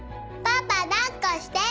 パパ抱っこして。